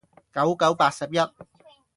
九九八十一